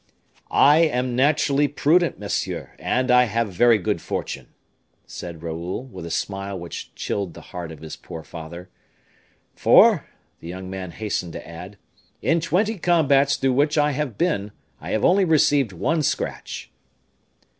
"I am naturally prudent, monsieur, and I have very good fortune," said Raoul, with a smile which chilled the heart of his poor father; "for," the young man hastened to add, "in twenty combats through which I have been, I have only received one scratch."